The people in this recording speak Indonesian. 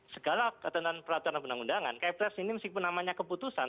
segala ketentuan peraturan undang undangan kepres ini meskipun namanya keputusan